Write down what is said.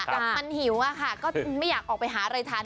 แต่มันหิวอะค่ะก็ไม่อยากออกไปหาอะไรทัน